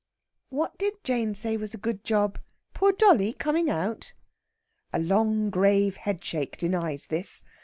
"What did Jane say was a good job? Poor dolly coming out?" A long, grave headshake denies this.